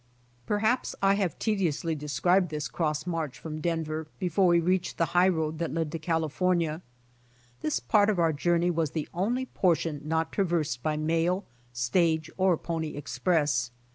Perhaps I have tediously described this cross miarch from Denver, before we reached the high road that led to California. This part of our journey was the only portion not traversed by mail, stage or pony express.